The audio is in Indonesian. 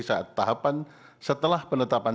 saat tahapan setelah penetapan